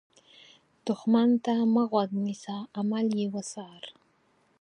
دښمن ته مه غوږ نیسه، عمل یې وڅار